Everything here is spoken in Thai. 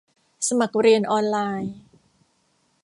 สมัครเรียนออนไลน์